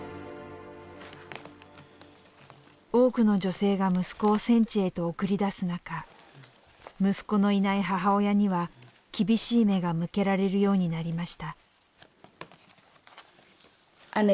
多くの女性が息子を戦地へと送り出す中息子のいない母親には厳しい目が向けられるようになりました。